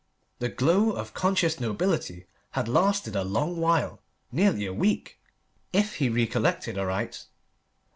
The glow of conscious nobility had lasted a long while nearly a week, if he recollected aright.